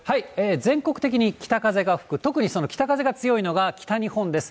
全国的に北風が吹く、特に北風が強いのが北日本です。